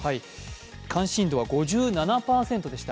関心度は５７％でした。